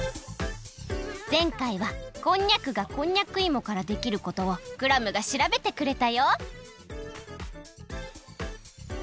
ぜんかいはこんにゃくがこんにゃくいもからできることをクラムがしらべてくれたよ。